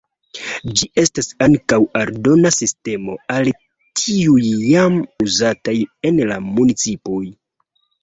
Ĝi estas ankaŭ aldona sistemo al tiuj jam uzataj en la municipoj.